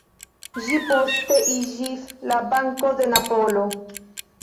Ĝi poste iĝis la "Banko de Napolo".